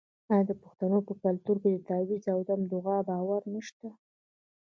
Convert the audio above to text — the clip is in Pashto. آیا د پښتنو په کلتور کې د تعویذ او دم دعا باور نشته؟